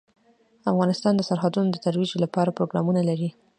افغانستان د سرحدونه د ترویج لپاره پروګرامونه لري.